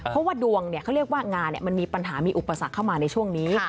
เพราะว่าดวงเขาเรียกว่างานมันมีปัญหามีอุปสรรคเข้ามาในช่วงนี้